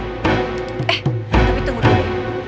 eh tapi tunggu dulu